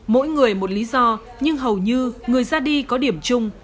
mỗi người một lý do nhưng hầu như người ra đi có điểm chung